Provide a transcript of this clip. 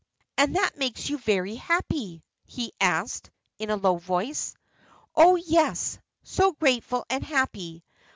"And that makes you very happy?" he asked, in a low voice. "Oh, yes; so grateful and happy!